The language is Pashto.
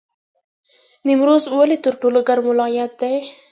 نیمروز ولې تر ټولو ګرم ولایت دی؟